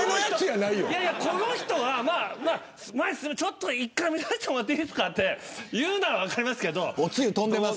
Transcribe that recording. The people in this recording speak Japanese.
この人が１回見させてもらっていいですかと言うなら分かりますけど。